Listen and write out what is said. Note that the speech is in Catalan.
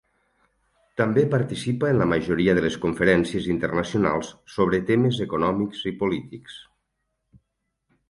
També participa en la majoria de les conferències internacionals sobre temes econòmics i polítics.